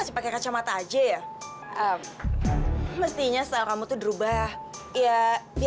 sampai jumpa di video selanjutnya